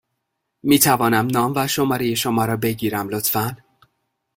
می توانم نام و شماره شما را بگیرم، لطفا؟